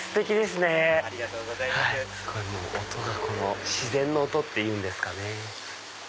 すごい音が自然の音っていうんですかね。